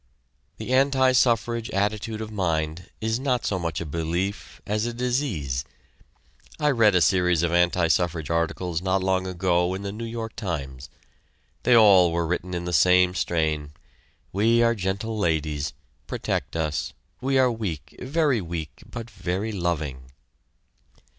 The anti suffrage attitude of mind is not so much a belief as a disease. I read a series of anti suffrage articles not long ago in the New York Times. They all were written in the same strain: "We are gentle ladies. Protect us. We are weak, very weak, but very loving."